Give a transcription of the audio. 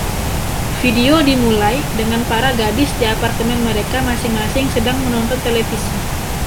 Video dimulai dengan para gadis di apartemen mereka masing-masing sedang menonton televisi.